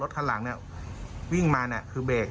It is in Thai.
รถทางหลังวิ่งมาคือเบรก